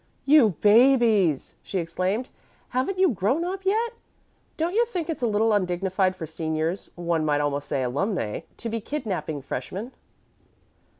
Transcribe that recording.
"You babies!" she exclaimed. "Haven't you grown up yet? Don't you think it's a little undignified for seniors one might almost say alumnæ to be kidnapping freshmen?"